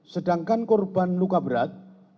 sedangkan korban luka berat